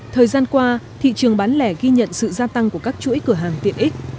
thời gian qua thị trường bán lẻ ghi nhận sự gia tăng của các chuỗi cửa hàng tiện ích